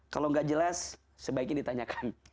kalau nggak jelas sebaiknya ditanyakan